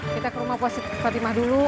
kita ke rumah puas tati mah dulu